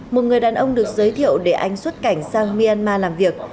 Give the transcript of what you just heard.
một người đàn ông được giới thiệu để anh xuất cảnh sang myanmar làm việc